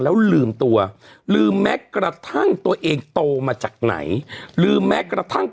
แล้วลืมตัวลืมแม้กระทั่งตัวเองโตมาจากไหนลืมแม้กระทั่ง